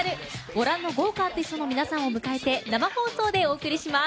ご覧の豪華アーティストの皆さんを迎えて生放送でお送りします。